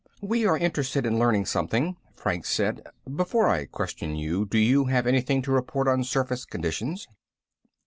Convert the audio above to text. "We are interested in learning something," Franks said. "Before I question you, do you have anything to report on surface conditions?"